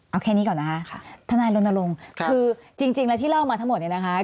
เอาแค่นี้ก่อนนะคะทนายรณรงค์คือจริงแล้วที่เล่ามาทั้งหมดเนี่ยนะคะ